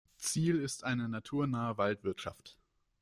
Ziel ist eine naturnahe Waldwirtschaft.